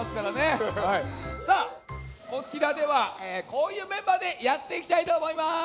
さあこちらではこういうメンバーでやっていきたいとおもいます！